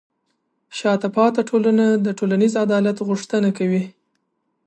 شاته پاتې ټولنه د ټولنیز عدالت غوښتنه کوي.